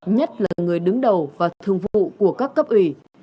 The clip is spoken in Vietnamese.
nhất là người đứng đầu và thương vụ của các cấp ủy